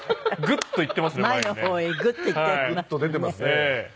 グッと出てますね。